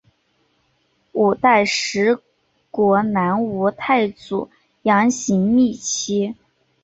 五代十国南吴太祖杨行密妻。